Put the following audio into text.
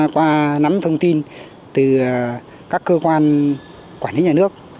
qua nắm thông tin từ các cơ quan quản lý nhà nước